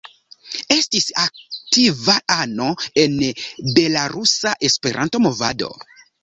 Estis aktiva ano en belarusa Esperanto-movado.